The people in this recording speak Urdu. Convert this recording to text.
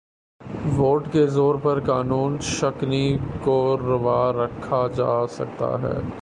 ووٹ کے زور پر قانون شکنی کو روا رکھا جا سکتا ہے۔